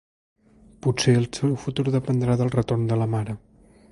Potser el seu futur dependrà del retorn de la mare.